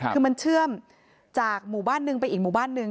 คือมันเชื่อมจากหมู่บ้านหนึ่งไปอีกหมู่บ้านหนึ่ง